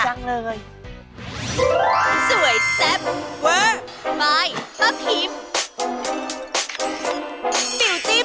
สวยแซ่บเวอร์ไม้ป้าพิภ